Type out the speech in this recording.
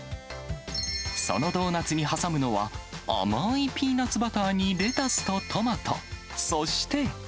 そのドーナツに挟むのは、甘いピーナツバターにレタスとトマト、そして。